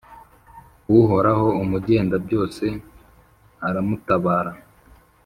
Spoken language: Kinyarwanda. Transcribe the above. Uhoraho Umugengabyose aramutabara,